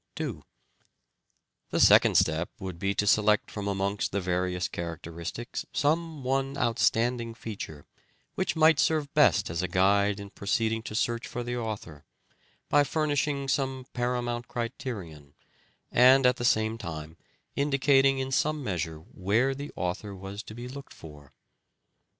2. The second step would be to select from amongst the various characteristics some one outstanding feature which might serve best as a guide in proceed ing to search for the author, by furnishing some para mount criterion, and at the same time indicating in some measure where the author was to be looked for.